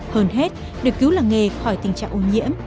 hơn hết để cứu làng nghề khỏi tình trạng ô nhiễm